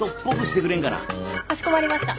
かしこまりました。